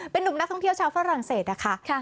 เป็นนุ่มนักท่องเที่ยวชาวฝรั่งเศสนะคะ